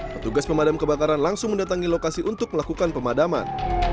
petugas pemadam kebakaran langsung mendatangi lokasi untuk melakukan pemadaman